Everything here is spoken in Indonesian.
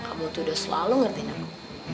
kamu tuh udah selalu ngerti nama